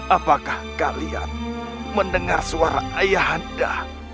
apakah kalian mendengar suara ayah anda